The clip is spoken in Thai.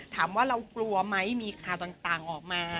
ถามว่าเรากลัวไหมมีข่าวต่างออกมา